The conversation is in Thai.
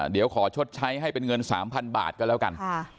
เดี๋ยวขอชดใช้ให้เป็นเงิน๓๐๐๐บาทก็แล้วกัน